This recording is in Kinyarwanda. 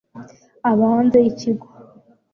aba hanze yikigo